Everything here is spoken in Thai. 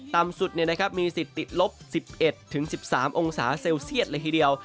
ต่ำสุดมีสิทธิ์ติดลบ๑๑๑๓องศาเซลเซียตเลยทีเดียว